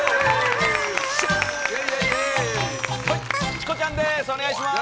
チコちゃんです。